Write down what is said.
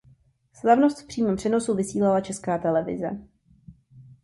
Slavnost v přímém přenosu vysílala Česká televize.